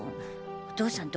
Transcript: お父さん